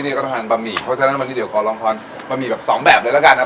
นี่ก็ต้องทานบะหมี่เพราะฉะนั้นวันนี้เดี๋ยวขอลองทานบะหมี่แบบสองแบบเลยแล้วกันนะครับ